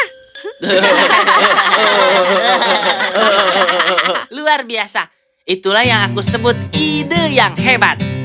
luar biasa itulah yang aku sebut ide yang hebat